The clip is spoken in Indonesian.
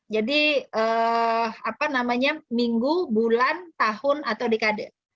jadi apa namanya minggu bulan tahun atau dekade